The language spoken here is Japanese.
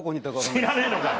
知らねえのかよ。